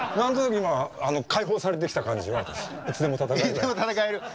いつでも戦えるわ。